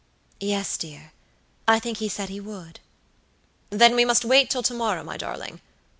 "Yes, dear. I think he said he would." "Then we must wait till to morrow, my darling.